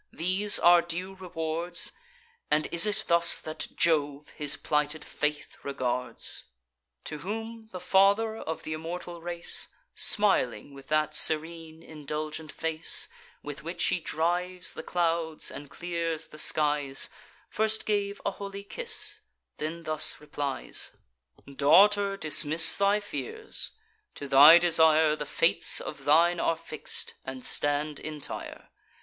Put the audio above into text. these our due rewards? And is it thus that Jove his plighted faith regards?" To whom the Father of th' immortal race, Smiling with that serene indulgent face, With which he drives the clouds and clears the skies, First gave a holy kiss; then thus replies: "Daughter, dismiss thy fears; to thy desire The fates of thine are fix'd, and stand entire.